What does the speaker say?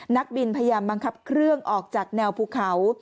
นักบินพยายามบังคับเครื่องออกจากแนวภูเขา